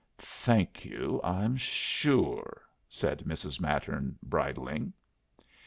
"Thank you, I'm sure," said Mrs. Mattern, bridling.